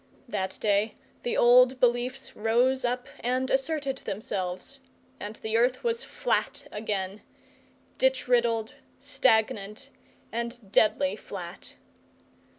That day the old beliefs rose up and asserted themselves, and the earth was flat again ditch riddled, stagnant, and deadly flat.